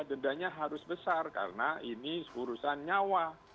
dendanya harus besar karena ini urusan nyawa